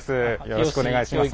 よろしくお願いします。